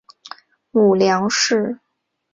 母梁氏。